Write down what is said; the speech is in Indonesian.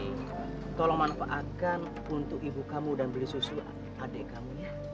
tolong manfaatkan untuk ibu kamu dan beli susu adik kamu